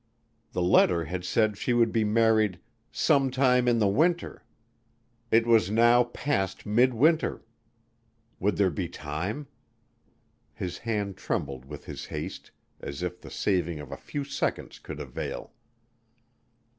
The letter had said she would be married "some time in the winter." It was now past mid winter. Would there be time? His hand trembled with his haste as if the saving of a few seconds could avail.